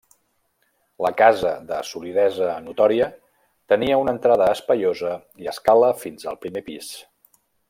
La casa de solidesa notòria, tenia una entrada espaiosa i escala fins al primer pis.